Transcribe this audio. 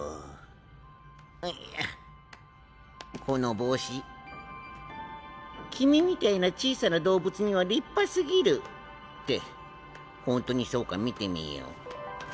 この帽子「君みたいな小さな動物には立派すぎる」って本当にそうか見てみよう。